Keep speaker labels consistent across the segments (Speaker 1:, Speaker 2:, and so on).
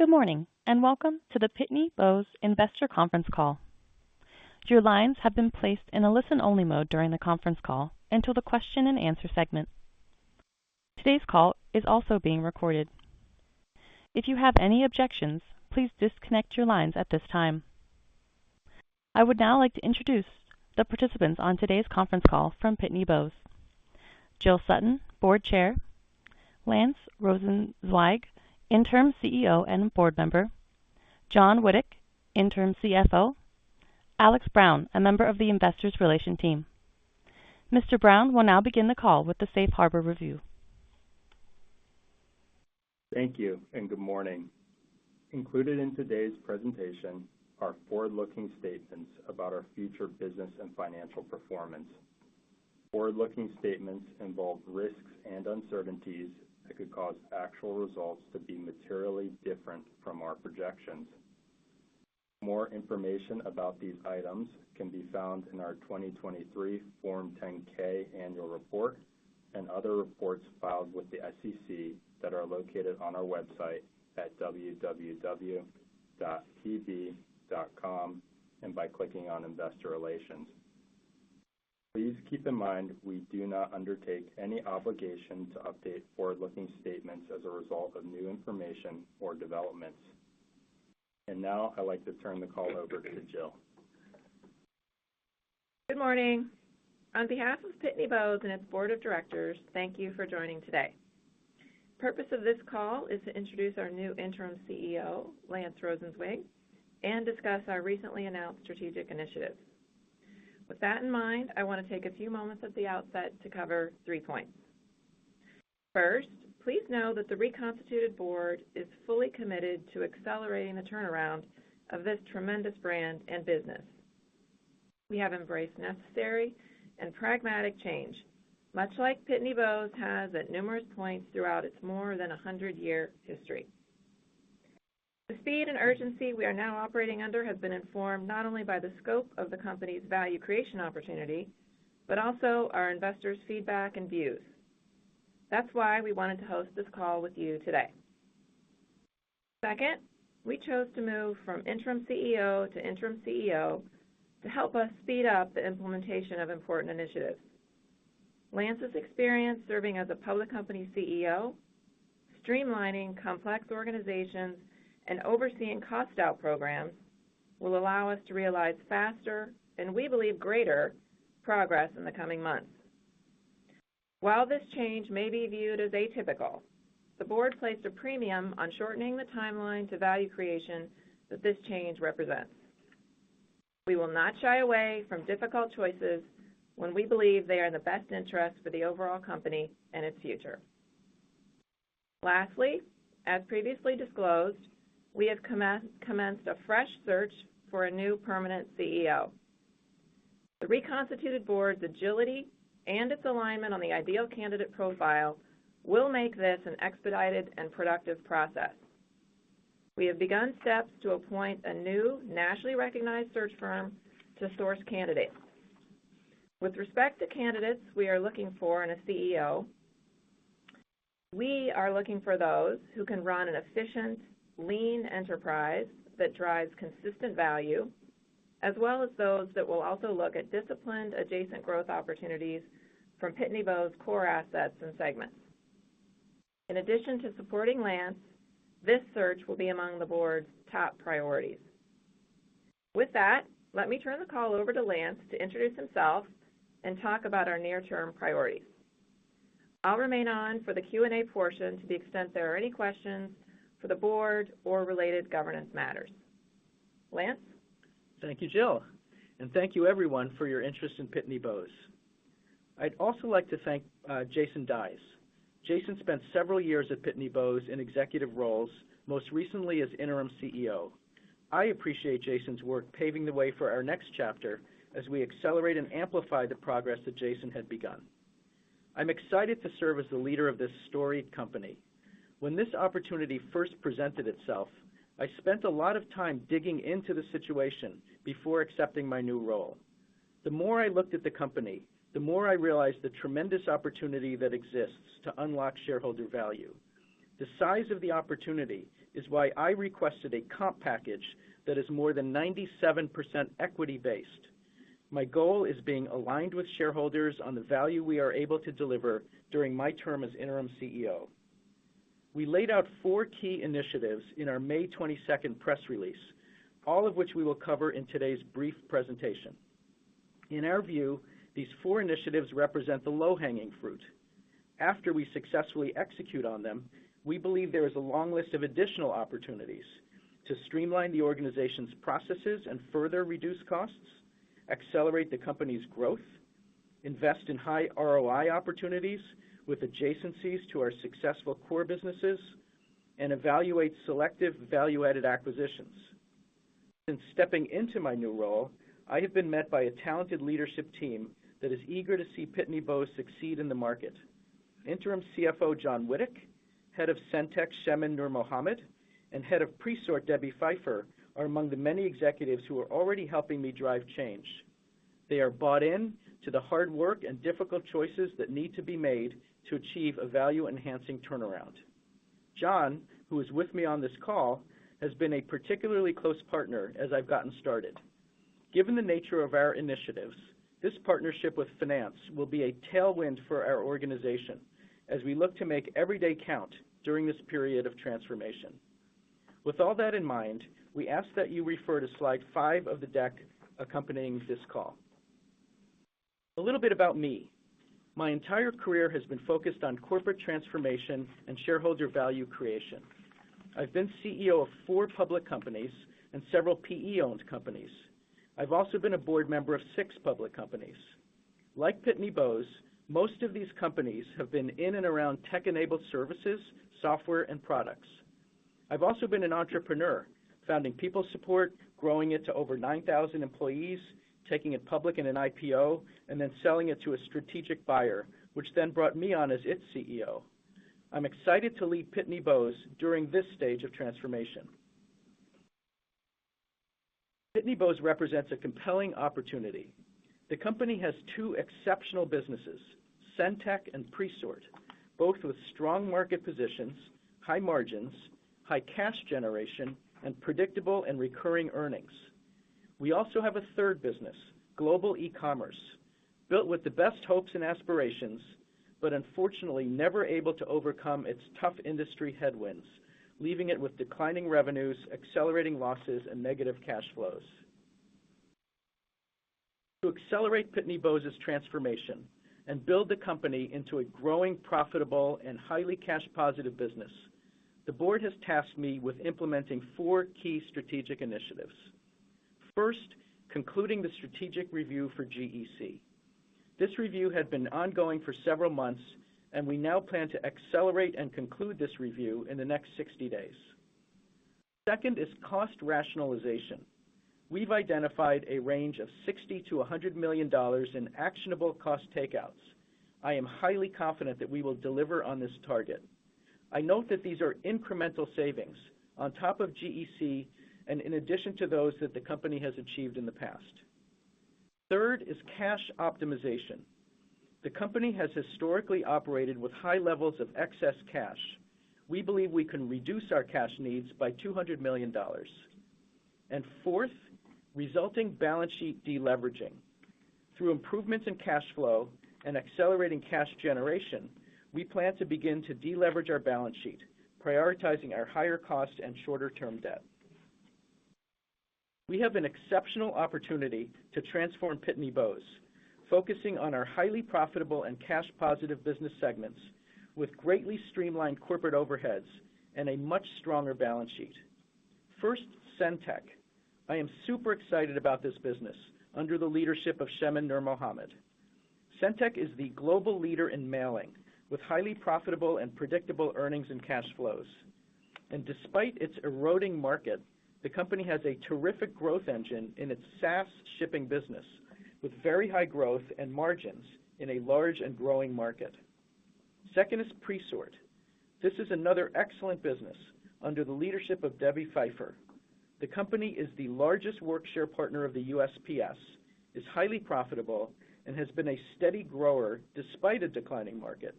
Speaker 1: Good morning, and welcome to the Pitney Bowes Investor Conference Call. Your lines have been placed in a listen-only mode during the conference call until the question and answer segment. Today's call is also being recorded. If you have any objections, please disconnect your lines at this time. I would now like to introduce the participants on today's conference call from Pitney Bowes. Jill Sutton, Board Chair. Lance Rosenzweig, Interim CEO and Board Member. John Witek, Interim CFO. Alex Brown, a member of the Investor Relations Team. Mr. Brown will now begin the call with the Safe Harbor Review.
Speaker 2: Thank you, and good morning. Included in today's presentation are forward-looking statements about our future business and financial performance. Forward-looking statements involve risks and uncertainties that could cause actual results to be materially different from our projections. More information about these items can be found in our 2023 Form 10-K annual report and other reports filed with the SEC that are located on our website at www.pb.com and by clicking on Investor Relations. Please keep in mind, we do not undertake any obligation to update forward-looking statements as a result of new information or developments. Now I'd like to turn the call over to Jill.
Speaker 3: Good morning. On behalf of Pitney Bowes and its board of directors, thank you for joining today. The purpose of this call is to introduce our new interim CEO, Lance Rosenzweig, and discuss our recently announced strategic initiative. With that in mind, I want to take a few moments at the outset to cover three points. First, please know that the reconstituted board is fully committed to accelerating the turnaround of this tremendous brand and business. We have embraced necessary and pragmatic change, much like Pitney Bowes has at numerous points throughout its more than a hundred-year history. The speed and urgency we are now operating under has been informed not only by the scope of the company's value creation opportunity, but also our investors' feedback and views. That's why we wanted to host this call with you today. Second, we chose to move from interim CEO to interim CEO to help us speed up the implementation of important initiatives. Lance's experience serving as a public company CEO, streamlining complex organizations, and overseeing cost-out programs will allow us to realize faster, and we believe, greater progress in the coming months. While this change may be viewed as atypical, the board placed a premium on shortening the timeline to value creation that this change represents. We will not shy away from difficult choices when we believe they are in the best interest for the overall company and its future. Lastly, as previously disclosed, we have commenced a fresh search for a new permanent CEO. The reconstituted board's agility and its alignment on the ideal candidate profile will make this an expedited and productive process. We have begun steps to appoint a new nationally recognized search firm to source candidates. With respect to candidates, we are looking for in a CEO, we are looking for those who can run an efficient, lean enterprise that drives consistent value, as well as those that will also look at disciplined adjacent growth opportunities from Pitney Bowes' core assets and segments. In addition to supporting Lance, this search will be among the board's top priorities. With that, let me turn the call over to Lance to introduce himself and talk about our near-term priorities. I'll remain on for the Q&A portion to the extent there are any questions for the board or related governance matters. Lance?
Speaker 4: Thank you, Jill, and thank you everyone for your interest in Pitney Bowes. I'd also like to thank, Jason Dies. Jason spent several years at Pitney Bowes in executive roles, most recently as interim CEO. I appreciate Jason's work paving the way for our next chapter as we accelerate and amplify the progress that Jason had begun. I'm excited to serve as the leader of this storied company. When this opportunity first presented itself, I spent a lot of time digging into the situation before accepting my new role. The more I looked at the company, the more I realized the tremendous opportunity that exists to unlock shareholder value. The size of the opportunity is why I requested a comp package that is more than 97% equity-based. My goal is being aligned with shareholders on the value we are able to deliver during my term as interim CEO. We laid out four key initiatives in our May 22nd press release, all of which we will cover in today's brief presentation. In our view, these four initiatives represent the low-hanging fruit. After we successfully execute on them, we believe there is a long list of additional opportunities to streamline the organization's processes and further reduce costs, accelerate the company's growth, invest in high ROI opportunities with adjacencies to our successful core businesses, and evaluate selective value-added acquisitions. Since stepping into my new role, I have been met by a talented leadership team that is eager to see Pitney Bowes succeed in the market. Interim CFO, John Witek, Head of SendTech, Shemin Nurmohamed, and Head of Presort, Debbie Pfeiffer, are among the many executives who are already helping me drive change.... They are bought in to the hard work and difficult choices that need to be made to achieve a value-enhancing turnaround. John, who is with me on this call, has been a particularly close partner as I've gotten started. Given the nature of our initiatives, this partnership with finance will be a tailwind for our organization as we look to make every day count during this period of transformation. With all that in mind, we ask that you refer to slide 5 of the deck accompanying this call. A little bit about me. My entire career has been focused on corporate transformation and shareholder value creation. I've been CEO of four public companies and several PE-owned companies. I've also been a board member of six public companies. Like Pitney Bowes, most of these companies have been in and around tech-enabled services, software, and products. I've also been an entrepreneur, founding PeopleSupport, growing it to over 9,000 employees, taking it public in an IPO, and then selling it to a strategic buyer, which then brought me on as its CEO. I'm excited to lead Pitney Bowes during this stage of transformation. Pitney Bowes represents a compelling opportunity. The company has two exceptional businesses, SendTech and Presort, both with strong market positions, high margins, high cash generation, and predictable and recurring earnings. We also have a third business, Global Ecommerce, built with the best hopes and aspirations, but unfortunately never able to overcome its tough industry headwinds, leaving it with declining revenues, accelerating losses, and negative cash flows. To accelerate Pitney Bowes's transformation and build the company into a growing, profitable, and highly cash positive business, the board has tasked me with implementing four key strategic initiatives. First, concluding the strategic review for GEC. This review had been ongoing for several months, and we now plan to accelerate and conclude this review in the next 60 days. Second is cost rationalization. We've identified a range of $60 million to $100 million in actionable cost takeouts. I am highly confident that we will deliver on this target. I note that these are incremental savings on top of GEC and in addition to those that the company has achieved in the past. Third is cash optimization. The company has historically operated with high levels of excess cash. We believe we can reduce our cash needs by $200 million. And fourth, resulting balance sheet deleveraging. Through improvements in cash flow and accelerating cash generation, we plan to begin to deleverage our balance sheet, prioritizing our higher cost and shorter-term debt. We have an exceptional opportunity to transform Pitney Bowes, focusing on our highly profitable and cash positive business segments with greatly streamlined corporate overheads and a much stronger balance sheet. First, SendTech. I am super excited about this business under the leadership of Shemin Nurmohamed. SendTech is the global leader in mailing, with highly profitable and predictable earnings and cash flows. And despite its eroding market, the company has a terrific growth engine in its SaaS shipping business, with very high growth and margins in a large and growing market. Second is Presort. This is another excellent business under the leadership of Debbie Pfeiffer. The company is the largest workshare partner of the USPS, is highly profitable, and has been a steady grower despite a declining market.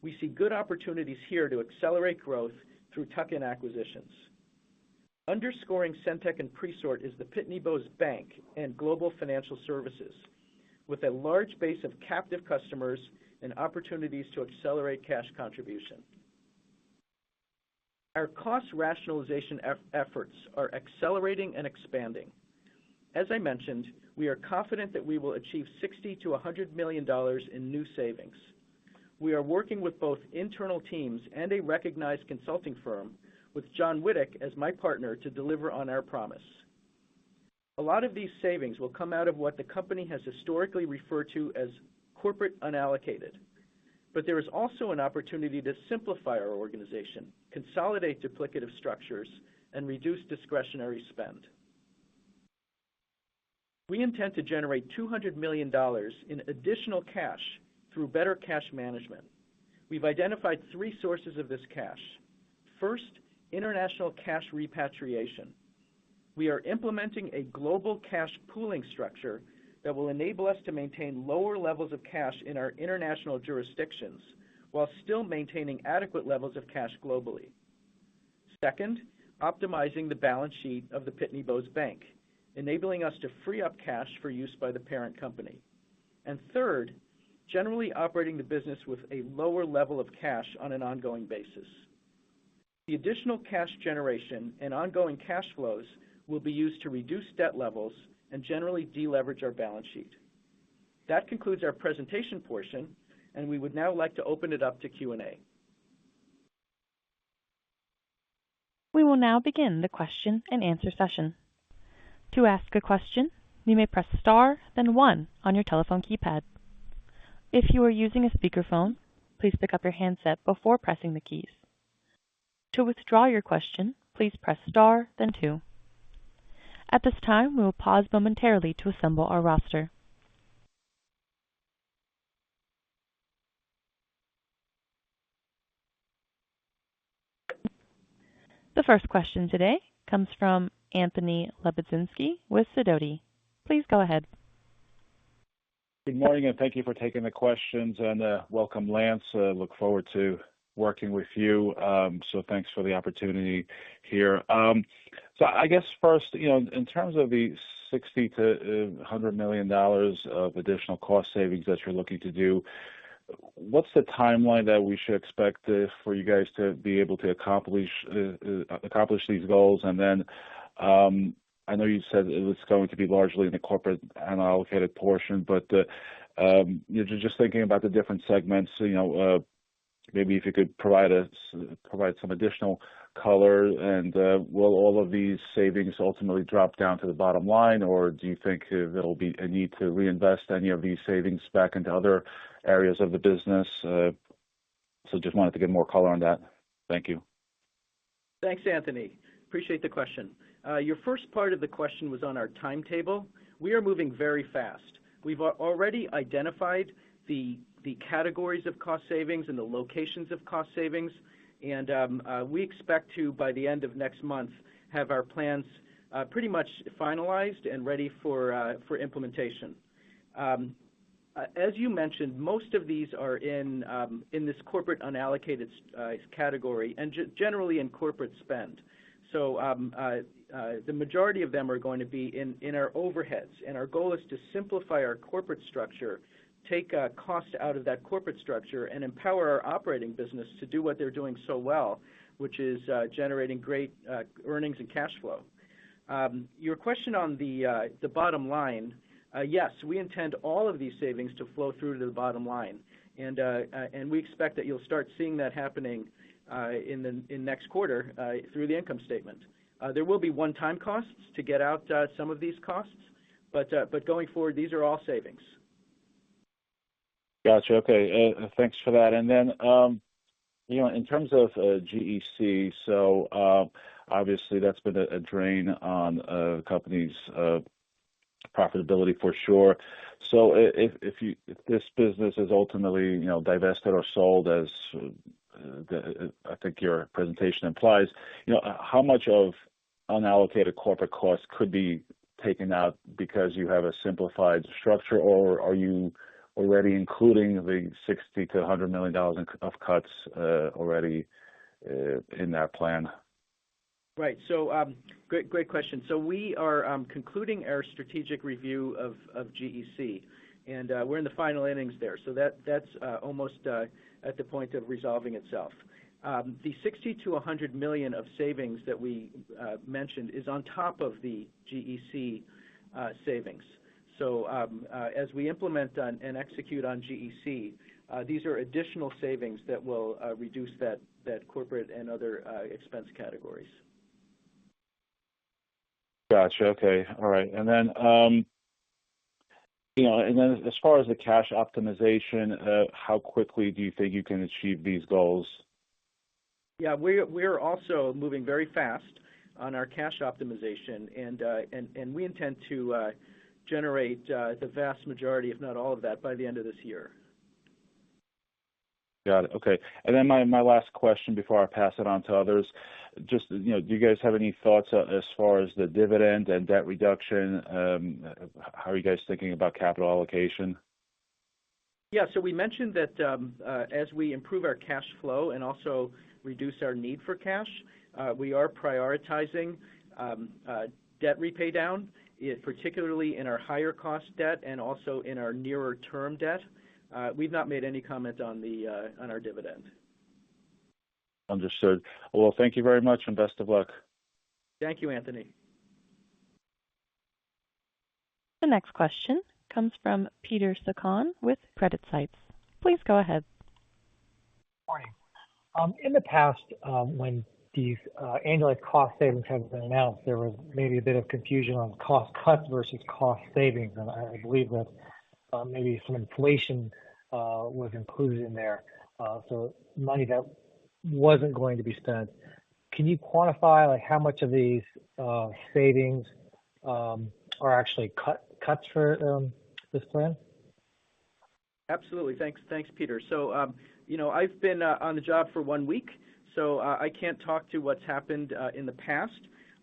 Speaker 4: We see good opportunities here to accelerate growth through tuck-in acquisitions. Underscoring SendTech and Presort is the Pitney Bowes Bank and Global Financial Services, with a large base of captive customers and opportunities to accelerate cash contribution. Our cost rationalization efforts are accelerating and expanding. As I mentioned, we are confident that we will achieve $60 million to $100 million in new savings. We are working with both internal teams and a recognized consulting firm, with John Witek as my partner, to deliver on our promise. A lot of these savings will come out of what the company has historically referred to as corporate unallocated, but there is also an opportunity to simplify our organization, consolidate duplicative structures, and reduce discretionary spend. We intend to generate $200 million in additional cash through better cash management. We've identified three sources of this cash. First, international cash repatriation. We are implementing a global cash pooling structure that will enable us to maintain lower levels of cash in our international jurisdictions, while still maintaining adequate levels of cash globally. Second, optimizing the balance sheet of the Pitney Bowes Bank, enabling us to free up cash for use by the parent company. Third, generally operating the business with a lower level of cash on an ongoing basis. The additional cash generation and ongoing cash flows will be used to reduce debt levels and generally deleverage our balance sheet. That concludes our presentation portion, and we would now like to open it up to Q&A.
Speaker 1: We will now begin the question-and-answer session. To ask a question, you may press star, then one on your telephone keypad. If you are using a speakerphone, please pick up your handset before pressing the keys. To withdraw your question, please press star, then two. At this time, we will pause momentarily to assemble our roster.... The first question today comes from Anthony Lebiedzinski with Sidoti. Please go ahead.
Speaker 5: Good morning, and thank you for taking the questions, and welcome, Lance. I look forward to working with you. So thanks for the opportunity here. So I guess first, you know, in terms of the $60 million to $100 million of additional cost savings that you're looking to do, what's the timeline that we should expect for you guys to be able to accomplish these goals? And then, I know you said it was going to be largely in the Corporate Unallocated portion, but just, just thinking about the different segments, you know, maybe if you could provide us- provide some additional color, and will all of these savings ultimately drop down to the bottom line, or do you think there'll be a need to reinvest any of these savings back into other areas of the business? Just wanted to get more color on that. Thank you.
Speaker 4: Thanks, Anthony. Appreciate the question. Your first part of the question was on our timetable. We are moving very fast. We've already identified the categories of cost savings and the locations of cost savings, and we expect to, by the end of next month, have our plans pretty much finalized and ready for implementation. As you mentioned, most of these are in this Corporate Unallocated category and generally in corporate spend. So, the majority of them are going to be in our overheads, and our goal is to simplify our corporate structure, take cost out of that corporate structure, and empower our operating business to do what they're doing so well, which is generating great earnings and cash flow. Your question on the bottom line, yes, we intend all of these savings to flow through to the bottom line, and we expect that you'll start seeing that happening in the next quarter through the income statement. There will be one-time costs to get out some of these costs, but going forward, these are all savings.
Speaker 5: Gotcha. Okay, thanks for that. And then, you know, in terms of GEC, so obviously, that's been a drain on the company's profitability for sure. So if—if this business is ultimately, you know, divested or sold, as I think your presentation implies, you know, how much of unallocated corporate costs could be taken out because you have a simplified structure, or are you already including the $60 million to $100 million in of cuts already in that plan?
Speaker 4: Right. So, great, great question. So we are concluding our strategic review of GEC, and we're in the final innings there, so that's almost at the point of resolving itself. The $60 million to $100 million of savings that we mentioned is on top of the GEC savings. So, as we implement on and execute on GEC, these are additional savings that will reduce that corporate and other expense categories.
Speaker 5: Gotcha. Okay. All right. And then, you know, and then as far as the cash optimization, how quickly do you think you can achieve these goals?
Speaker 4: Yeah, we are also moving very fast on our cash optimization, and we intend to generate the vast majority, if not all of that, by the end of this year.
Speaker 5: Got it. Okay. And then my last question before I pass it on to others, just, you know, do you guys have any thoughts as far as the dividend and debt reduction? How are you guys thinking about capital allocation?
Speaker 4: Yeah, so we mentioned that, as we improve our cash flow and also reduce our need for cash, we are prioritizing debt pay down, particularly in our higher cost debt and also in our nearer term debt. We've not made any comment on the, on our dividend.
Speaker 5: Understood. Well, thank you very much, and best of luck.
Speaker 4: Thank you, Anthony.
Speaker 1: The next question comes from Peter Sakon with CreditSights. Please go ahead.
Speaker 6: Morning. In the past, when these annualized cost savings have been announced, there was maybe a bit of confusion on cost cuts versus cost savings. And I believe that, maybe some inflation was included in there, so money that wasn't going to be spent. Can you quantify, like, how much of these savings are actually cuts for this plan?
Speaker 4: Absolutely. Thanks, thanks, Peter. So, you know, I've been on the job for one week, so I can't talk to what's happened in the past.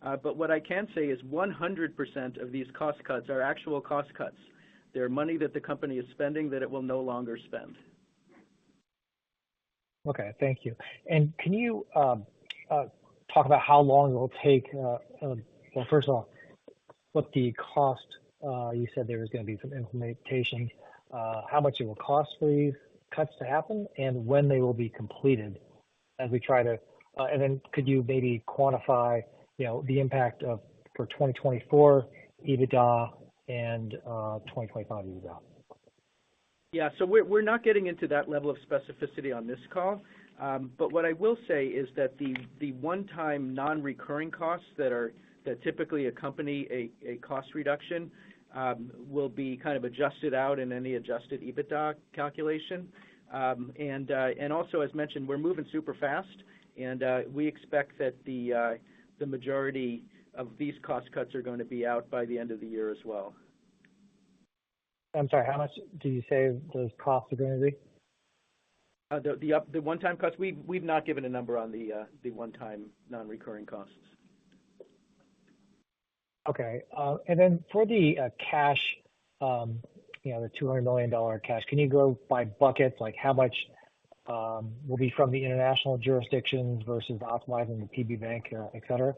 Speaker 4: But what I can say is 100% of these cost cuts are actual cost cuts. They're money that the company is spending that it will no longer spend.
Speaker 6: Okay, thank you. And can you talk about how long it will take... Well, first of all, what the cost, you said there was going to be some implementation, how much it will cost for these cuts to happen and when they will be completed as we try to— And then could you maybe quantify, you know, the impact of, for 2024 EBITDA and, 2025 EBITDA?
Speaker 4: Yeah, so we're not getting into that level of specificity on this call. But what I will say is that the one-time non-recurring costs that typically accompany a cost reduction will be kind of adjusted out in any Adjusted EBITDA calculation. And also, as mentioned, we're moving super fast, and we expect that the majority of these cost cuts are going to be out by the end of the year as well....
Speaker 6: I'm sorry, how much did you say those costs are going to be?
Speaker 4: The one-time costs? We've not given a number on the one-time non-recurring costs.
Speaker 6: Okay. And then for the cash, you know, the $200 million cash, can you go by buckets? Like, how much will be from the international jurisdictions versus Optimizing the PB Bank, et cetera?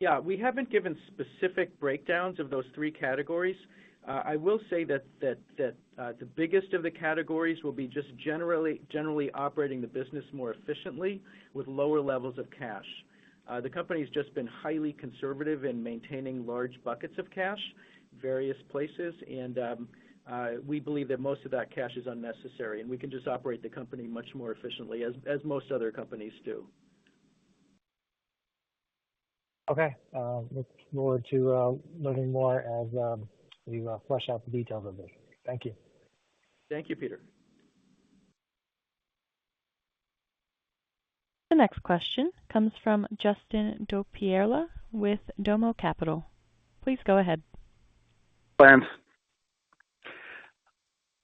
Speaker 4: Yeah, we haven't given specific breakdowns of those three categories. I will say that the biggest of the categories will be just generally operating the business more efficiently with lower levels of cash. The company's just been highly conservative in maintaining large buckets of cash, various places, and we believe that most of that cash is unnecessary, and we can just operate the company much more efficiently, as most other companies do.
Speaker 6: Okay. Look forward to learning more as we flush out the details of it. Thank you.
Speaker 4: Thank you, Peter.
Speaker 1: The next question comes from Justin Dopierala with Domo Capital. Please go ahead.
Speaker 7: Thanks.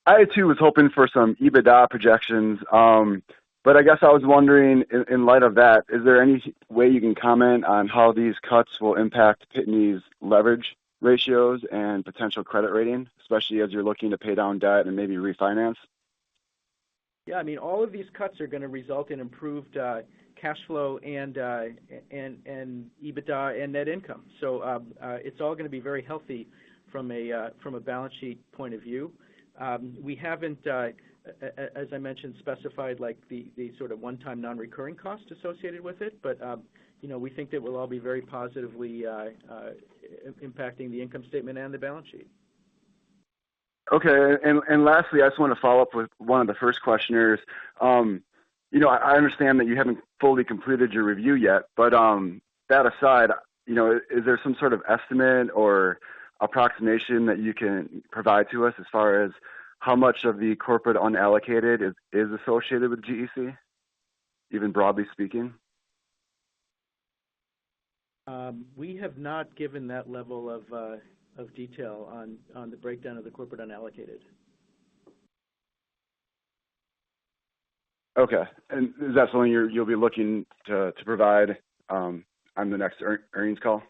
Speaker 7: I, too, was hoping for some EBITDA projections. But I guess I was wondering in light of that, is there any way you can comment on how these cuts will impact Pitney's leverage ratios and potential credit rating, especially as you're looking to pay down debt and maybe refinance?
Speaker 4: Yeah, I mean, all of these cuts are going to result in improved cash flow and EBITDA and net income. So, it's all going to be very healthy from a balance sheet point of view. We haven't, as I mentioned, specified like the sort of one-time, non-recurring costs associated with it. But, you know, we think that we'll all be very positively impacting the income statement and the balance sheet.
Speaker 7: Okay. And lastly, I just want to follow up with one of the first questioners. You know, I understand that you haven't fully completed your review yet, but, that aside, you know, is there some sort of estimate or approximation that you can provide to us as far as how much of the Corporate Unallocated is associated with GEC, even broadly speaking?
Speaker 4: We have not given that level of detail on the breakdown of the Corporate Unallocated.
Speaker 7: Okay. And is that something you're, you'll be looking to, to provide, on the next earnings call?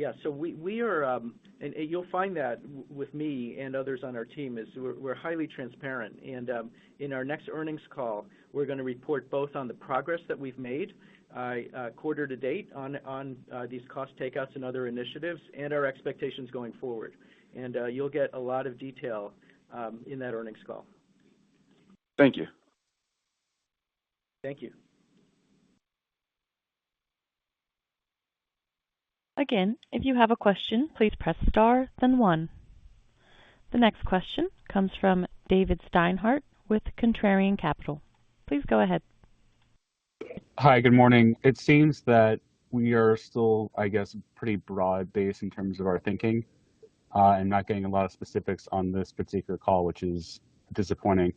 Speaker 4: Yeah. So we are. You'll find that with me and others on our team, is we're highly transparent. In our next earnings call, we're going to report both on the progress that we've made quarter to date on these cost takeouts and other initiatives, and our expectations going forward. You'll get a lot of detail in that earnings call.
Speaker 7: Thank you.
Speaker 4: Thank you.
Speaker 1: Again, if you have a question, please press Star, then one. The next question comes from David Steinhardt with Contrarian Capital. Please go ahead.
Speaker 8: Hi, good morning. It seems that we are still, I guess, pretty broad-based in terms of our thinking, and not getting a lot of specifics on this particular call, which is disappointing.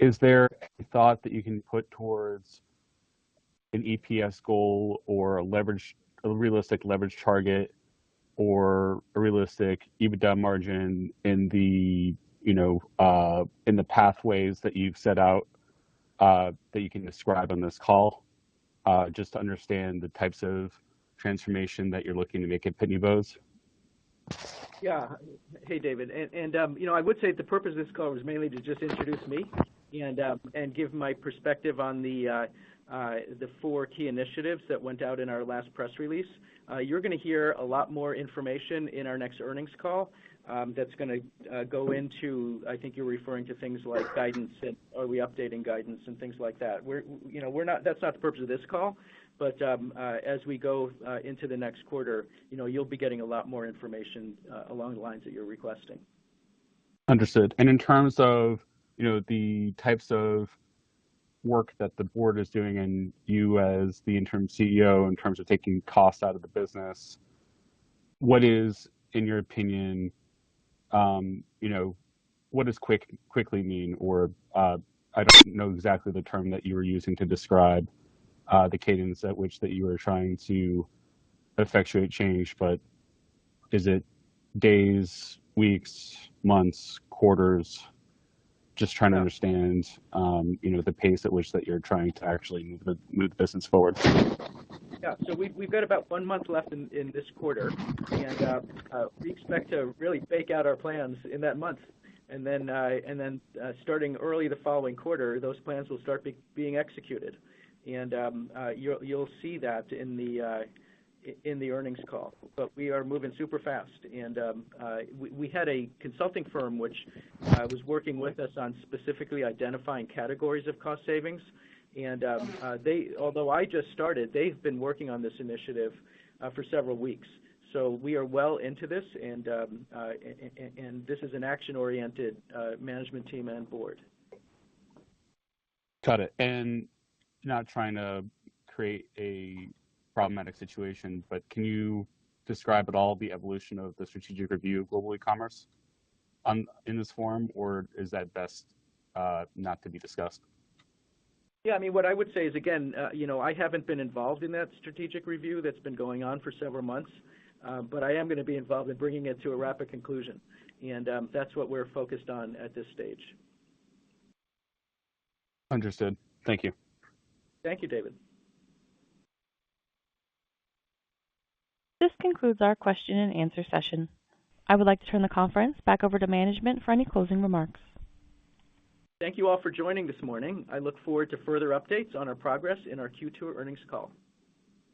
Speaker 8: Is there any thought that you can put towards an EPS goal or a leverage—a realistic leverage target or a realistic EBITDA margin in the, you know, in the pathways that you've set out, that you can describe on this call? Just to understand the types of transformation that you're looking to make at Pitney Bowes.
Speaker 4: Yeah. Hey, David. You know, I would say the purpose of this call was mainly to just introduce me and give my perspective on the four key initiatives that went out in our last press release. You're going to hear a lot more information in our next earnings call, that's gonna go into... I think you're referring to things like guidance and are we updating guidance and things like that. We're, you know, we're not. That's not the purpose of this call, but as we go into the next quarter, you know, you'll be getting a lot more information along the lines that you're requesting.
Speaker 8: Understood. And in terms of, you know, the types of work that the board is doing and you as the Interim CEO, in terms of taking costs out of the business, what is, in your opinion, you know, what does quick, quickly mean? Or, I don't know exactly the term that you were using to describe the cadence at which that you are trying to effectuate change, but is it days, weeks, months, quarters? Just trying to understand, you know, the pace at which that you're trying to actually move the business forward.
Speaker 4: Yeah. So we've got about one month left in this quarter, and we expect to really bake out our plans in that month. And then, starting early the following quarter, those plans will start being executed. And you'll see that in the earnings call. But we are moving super fast, and we had a consulting firm which was working with us on specifically identifying categories of cost savings. And they although I just started, they've been working on this initiative for several weeks. So we are well into this, and this is an action-oriented management team and board.
Speaker 8: Got it. And not trying to create a problematic situation, but can you describe at all the evolution of the strategic review of Global Ecommerce on in this forum, or is that best not to be discussed?
Speaker 4: Yeah, I mean, what I would say is, again, you know, I haven't been involved in that strategic review that's been going on for several months, but I am going to be involved in bringing it to a rapid conclusion. That's what we're focused on at this stage.
Speaker 8: Understood. Thank you.
Speaker 4: Thank you, David.
Speaker 1: This concludes our question and answer session. I would like to turn the conference back over to management for any closing remarks.
Speaker 4: Thank you all for joining this morning. I look forward to further updates on our progress in our Q2 earnings call.